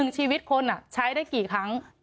ชีวิตคนใช้ได้กี่ครั้ง